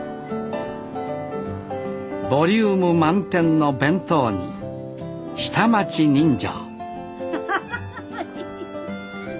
ボリューム満点の弁当に下町人情アハハハハ！